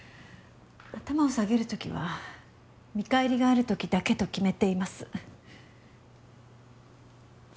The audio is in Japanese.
頭を下げる時は見返りがある時だけと決めています。